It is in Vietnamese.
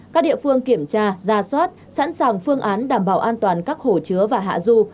các địa phương kiểm tra ra soát sẵn sàng phương án đảm bảo an toàn các hồ chứa và hạ du